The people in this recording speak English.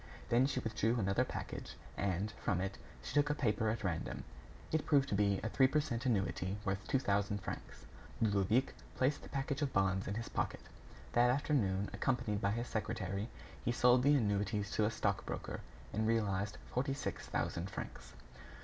Then she withdrew another package and, from it, she took a paper at random. It proved to be a three per cent annuity worth two thousand francs. Ludovic placed the package of bonds in his pocket. That afternoon, accompanied by his secretary, he sold the annuities to a stock broker and realized forty six thousand francs.